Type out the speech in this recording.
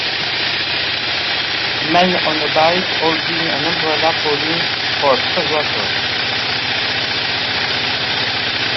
Man on a bike holding an umbrella posing for a photographer.